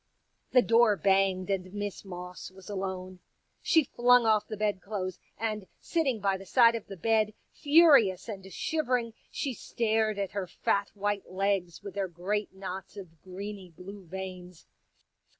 ''\ The door banged and Miss Moss was alone. She flung off the bed clothes, and sitting by the side of the bed, furious and shivering, she stared at her fat white legs with their great knots of greeny blue veins.